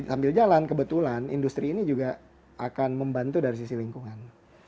sambil jalan kebetulan industri ini juga akan membantu dari sisi lingkungan